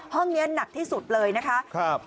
ห้องนี้หนักที่สุดเลยนะคะ